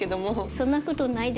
そんなことないです。